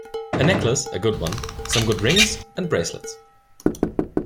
A necklace — a good one — some good rings, and bracelets.